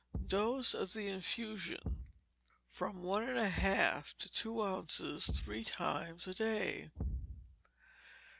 Dose, of the infusion, from one and a half to two ounces, three times a day.